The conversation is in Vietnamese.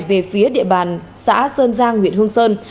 về phía địa bàn xã sơn giang huyện hương sơn